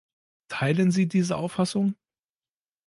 Teilen Sie diese Auffassung?